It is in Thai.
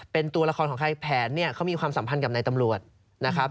เป็นตัวละครของใครแผนเนี่ยเขามีความสัมพันธ์กับนายตำรวจนะครับ